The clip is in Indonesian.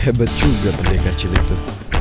hebat juga pendidikan cili itu